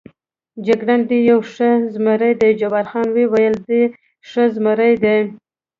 جګړن: دی یو ښه زمري دی، جبار خان وویل: دی ښه زمري دی.